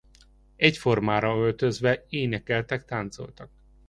Egyformára öltözve énekeltek-táncoltak.